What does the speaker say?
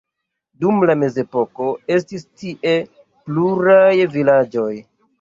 Dum la mezepoko estis tie pluraj vilaĝoj.